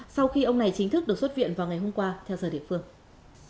sau khi ông này chính thức được xuất viện vào ngày hôm qua theo giờ địa phương